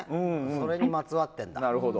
それにまつわってるんだ。